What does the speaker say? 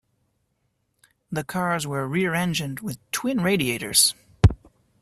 The cars were rear-engined with twin radiators.